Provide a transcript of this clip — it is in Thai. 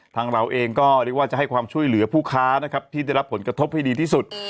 เราเองก็เรียกว่าจะให้ความช่วยเหลือผู้ค้านะครับที่ได้รับผลกระทบให้ดีที่สุด